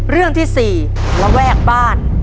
เรื่องที่๔ระแวกบ้าน